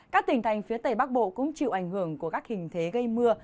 các tỉnh thành phía tây bắc bộ cũng chịu ảnh hưởng của các hình thế gây mưa